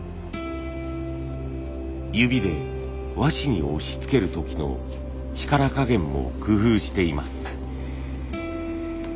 指で和紙に押しつける時の力加減も工夫しています。